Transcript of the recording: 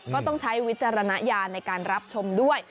ก็ต้องใช้วิจารณญาณในการรับชมด้วย